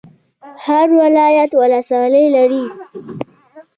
هر ولایت ولسوالۍ لري